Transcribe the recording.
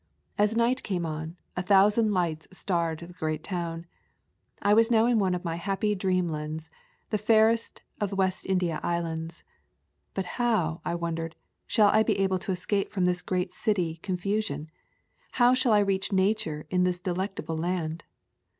As night came on, a thousand lights starred the great town. I was now in one of my happy dreamlands, the fairest of West India islands. But how, I wondered, shall I be able to escape from this great city confusion? How shall I reach nature in this delectable land?